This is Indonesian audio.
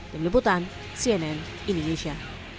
dari liputan cnn indonesia